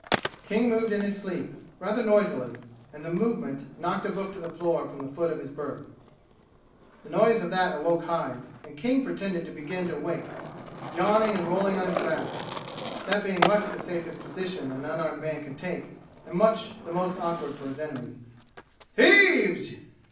King moved in his sleep, rather noisily, and the movement knocked a book to the floor from the foot of his berth. The noise of that awoke Hyde, and King pretended to begin to wake, yawning and rolling on his back (that being much the safest position an unarmed man can take and much the most awkward for his enemy). "Thieves!"